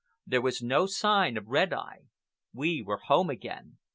There was no sign of Red Eye. We were home again.